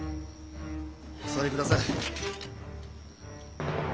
お座りください。